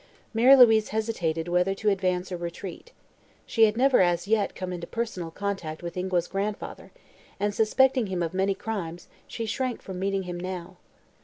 Mary Louise hesitated whether to advance or retreat. She had never as yet come into personal contact with Ingua's grandfather and, suspecting him of many crimes, she shrank from meeting him now.